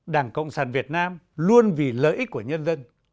đảng cộng sản việt nam luôn vì lợi ích của nhân dân